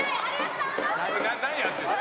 何やってんの？